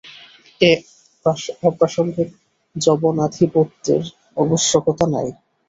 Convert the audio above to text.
এ অপ্রাসঙ্গিক যবনাধিপত্যের আবশ্যকতাই নাই।